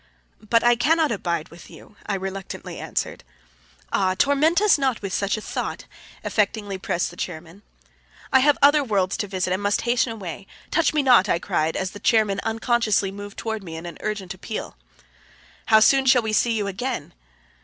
"But I cannot abide with you," I reluctantly answered. "Ah, torment us not with such a thought," affectingly pressed the chairman. "I have other worlds to visit, and must hasten away. Touch me not," I cried as the chairman unconsciously moved toward me in an urgent appeal. "How soon shall we see you again?"